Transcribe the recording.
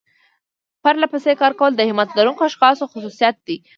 پرلپسې کار کول د همت لرونکو اشخاصو خصوصيت دی.